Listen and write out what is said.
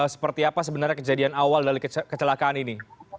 seperti apa sebenarnya kejadian awal dari kecelakaan ini